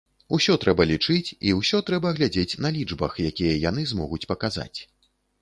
Усё трэба лічыць і ўсё трэба глядзець на лічбах, якія яны змогуць паказаць.